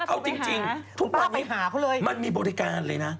เอาจริงทุกวันนี้มันมีบริการเลยนะ